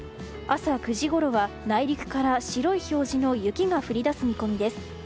朝９時ごろは、内陸から白い表示の雪が降り出す見込みです。